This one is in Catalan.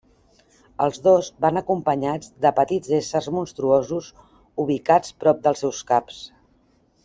Els dos van acompanyats de petits éssers monstruosos ubicats prop dels seus caps.